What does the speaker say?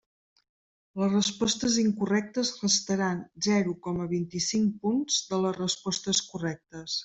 Les respostes incorrectes restaran zero coma vint-i-cinc punts de les respostes correctes.